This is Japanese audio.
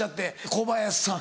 小林さん。